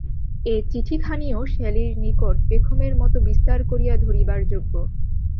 এ চিঠিখানিও শ্যালীর নিকট পেখমের মতো বিস্তার করিয়া ধরিবার যোগ্য।